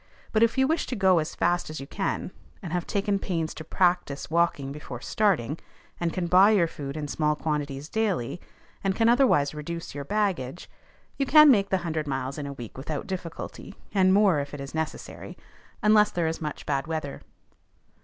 But if you wish to go as fast as you can, and have taken pains to practise walking before starting, and can buy your food in small quantities daily, and can otherwise reduce your baggage, you can make the hundred miles in a week without difficulty, and more if it is necessary, unless there is much bad weather.